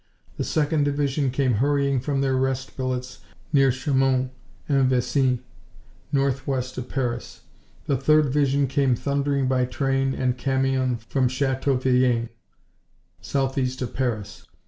The 2nd Division came hurrying from their rest billets near Chaumont en Vexin, northwest of Paris; the 3rd Division came thundering by train and camion from Chateau Villain, southeast of Paris.